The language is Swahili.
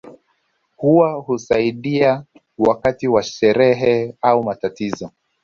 Huwa husaidiana wakati wa sherehe au matatizo